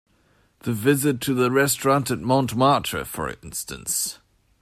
The visit to the restaurant at Montmartre, for instance.